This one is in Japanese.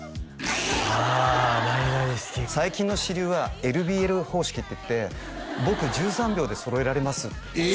ああなになに式最近の主流はＬＢＬ方式っていって僕１３秒で揃えられますええ！